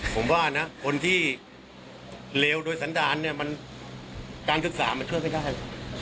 ผมว่านะคนที่เลวโดยสันดารเนี่ยมันการศึกษามันช่วยไม่ได้